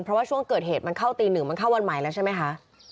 เพราะว่าช่วงเกิดเหตุมันเข้าตีหนึ่งมันเข้าวันใหม่แล้วใช่ไหมคะ